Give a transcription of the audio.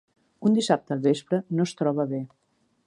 Un dissabte al vespre no es troba bé.